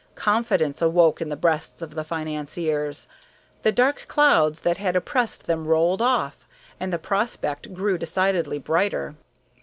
Confidence awoke in the breasts of the financiers. The dark clouds that had oppressed them rolled off, and the prospect grew decidedly brighter.